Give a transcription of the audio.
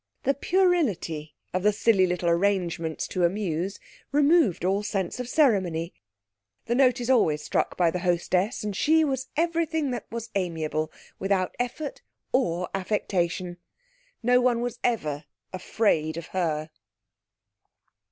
The puerility of the silly little arrangements to amuse removed all sense of ceremony. The note is always struck by the hostess, and she was everything that was amiable, without effort or affectation. No one was ever afraid of her.